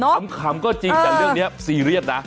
ขำก็จริงแต่เรื่องนี้ซีเรียสนะ